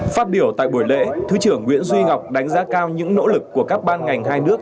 phát biểu tại buổi lễ thứ trưởng nguyễn duy ngọc đánh giá cao những nỗ lực của các ban ngành hai nước